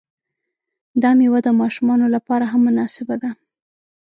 دا میوه د ماشومانو لپاره هم مناسبه ده.